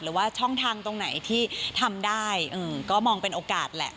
หรือว่าช่องทางตรงไหนที่ทำได้ก็มองเป็นโอกาสแหละ